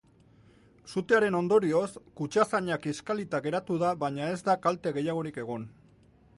Sutearen ondorioz, kutxazaina kiskalita geratu da baina ez da kalte gehiagorik egon.